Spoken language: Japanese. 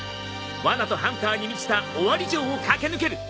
わなとハンターに満ちたオワリ城を駆け抜ける。